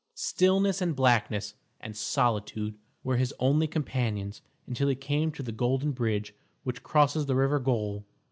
Stillness and blackness and solitude were his only companions until he came to the golden bridge which crosses the river Gjol.